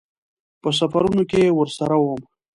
په سفرونو کې ورسره وم.